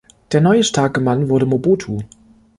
Der neue starke Mann wurde Mobutu.